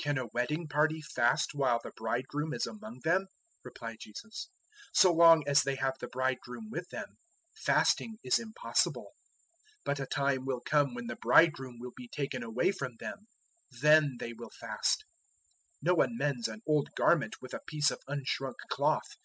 002:019 "Can a wedding party fast while the bridegroom is among them?" replied Jesus. "So long as they have the bridegroom with them, fasting is impossible. 002:020 But a time will come when the Bridegroom will be taken away from them; then they will fast. 002:021 No one mends an old garment with a piece of unshrunk cloth.